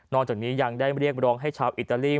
จากนี้ยังได้เรียกร้องให้ชาวอิตาลี